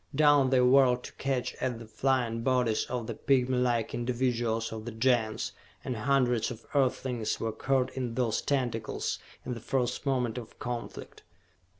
Down they whirled to catch at the flying bodies of the pigmylike individuals of the Gens, and hundreds of Earthlings were caught in those tentacles in the first moment of conflict.